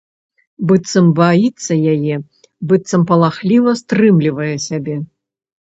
Быццам баіцца яе, быццам палахліва стрымлівае сябе.